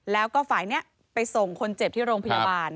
แล้วก็ฝ่ายนี้ไปส่งคนเจ็บที่โรงพยาบาล